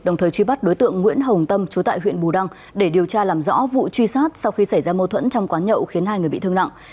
đồng thời truy bắt đối tượng nguyễn hồng tâm trú tại huyện bù đăng để điều tra làm rõ vụ truy sát sau khi xảy ra mâu thuẫn trong quán nhậu khiến hai người bị thương nặng